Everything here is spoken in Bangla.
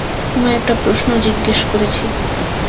তোমায় একটা প্রশ্ন জিজ্ঞেস করেছি।